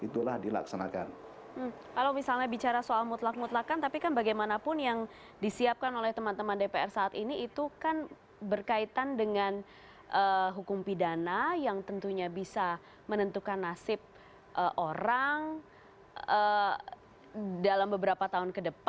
terima kasih terima kasih